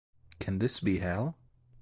Can this be hell?